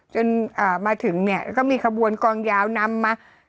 จนถึงเนี่ยก็มีขบวนกองยาวนำมา